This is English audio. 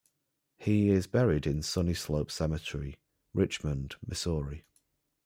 He is buried in Sunny Slope Cemetery, Richmond, Missouri.